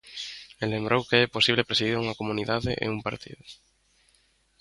E lembrou que é posible presidir unha comunidade e un partido.